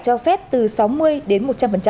cho phép từ sáu mươi đến một trăm linh